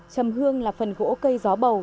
trầm hương là phần gỗ cây gió bầu